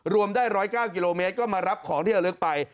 รวมได้๑๐๙กิโลเมตรก็มารับของที่ระลึกไป